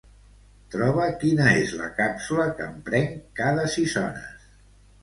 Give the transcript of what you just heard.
Troba quina és la càpsula que em prenc cada sis hores.